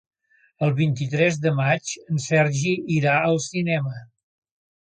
El vint-i-tres de maig en Sergi irà al cinema.